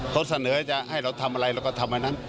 เขาเสนอจะให้เราทำอะไรเราก็ทำอันนั้น